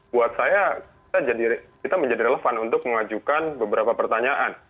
buat saya kita menjadi relevan untuk mengajukan beberapa pertanyaan